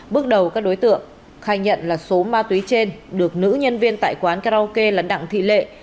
bước đầu các đối tượng khai nhận là số ma túy trên được nữ nhân viên tại quán karaoke lấn đặng thị lệ